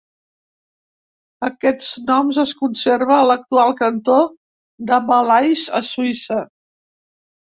Aquest nom es conserva a l'actual cantó de Valais a Suïssa.